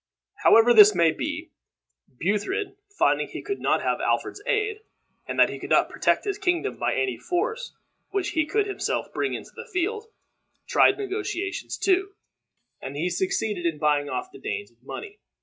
However this may be, Buthred, finding that he could not have Alfred's aid, and that he could not protect his kingdom by any force which he could himself bring into the field, tried negotiations too, and he succeeded in buying off the Danes with money.